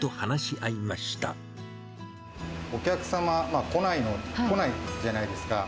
お客様、来ないじゃないですか。